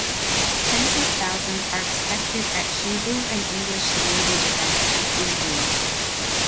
Tens of thousands are expected at Hebrew- and English-language events in Israel.